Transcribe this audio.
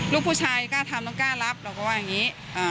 ลูกผู้ชายกล้าทำต้องกล้ารับเราก็ว่าอย่างนี้